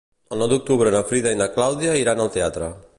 El nou d'octubre na Frida i na Clàudia iran al teatre.